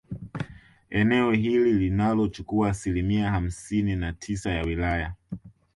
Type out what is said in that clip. Eneo hili linalochukua asilimia hamsini na tisa ya wilaya